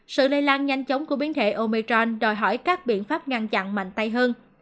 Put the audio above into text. sự lây lan nhanh chóng của biến thể omechon đòi hỏi các biện pháp ngăn chặn mạnh tay hơn